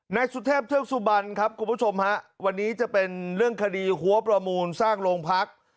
นายสุเทพเทือกสุบันครับคุณผู้ชมฮะวันนี้จะเป็นเรื่องคดีหัวประมูลสร้างโรงพัก